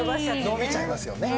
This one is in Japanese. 伸びちゃいますよね。